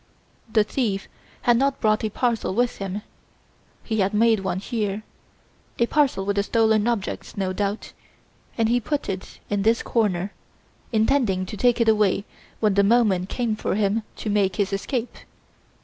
"The thief had not brought a parcel with him; he had made one here a parcel with the stolen objects, no doubt; and he put it in this corner intending to take it away when the moment came for him to make his escape.